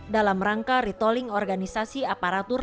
dalam rangka retoling organisasi aparatus